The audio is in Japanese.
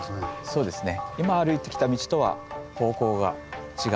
そうですね。